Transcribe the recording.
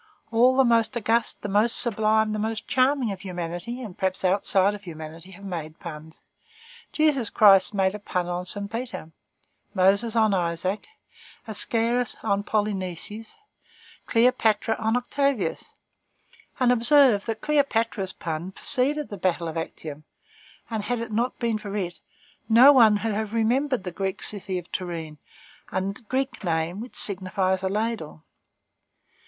All the most august, the most sublime, the most charming of humanity, and perhaps outside of humanity, have made puns. Jesus Christ made a pun on St. Peter, Moses on Isaac, Æschylus on Polynices, Cleopatra on Octavius. And observe that Cleopatra's pun preceded the battle of Actium, and that had it not been for it, no one would have remembered the city of Toryne, a Greek name which signifies a ladle.